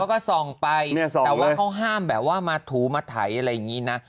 ก็ส่องไปแต่ว่าเขาห้ามแบบว่ามาถูมาไถอะไรอย่างนี้นะ